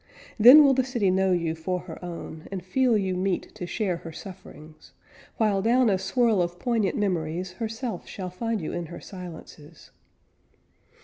Then will the city know you for her own, And feel you meet to share her sufferings; While down a swirl of poignant memories, Herself shall find you in her silences.